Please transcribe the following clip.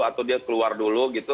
atau dia keluar dulu gitu